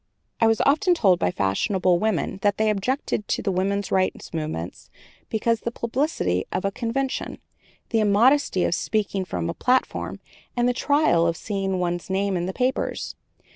I was often told by fashionable women that they objected to the woman's rights movement because of the publicity of a convention, the immodesty of speaking from a platform, and the trial of seeing one's name in the papers.